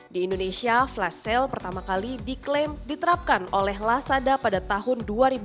di indonesia flash sale pertama kali diklaim diterapkan oleh lasada pada tahun dua ribu dua